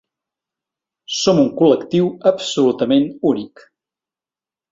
Som un col·lectiu absolutament únic.